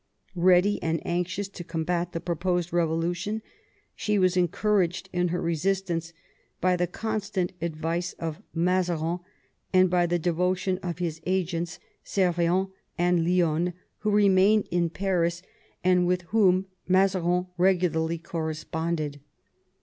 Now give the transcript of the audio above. Ready and anxious to combat the proposed revolution, she was encouraged in her resistance by the constant advice of Mazarin, and by the devotion of his agents, Servien and Lionne, who remained in Paris, and y THE EARLY YEARS OF THE NEW FRONDE 91 with whom Mazarin regularly corresponded.